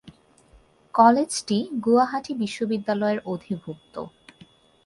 কলেজটি গুয়াহাটি বিশ্ববিদ্যালয়ের অধিভুক্ত।